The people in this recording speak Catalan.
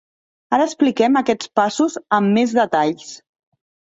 Ara expliquem aquests passos amb més detalls.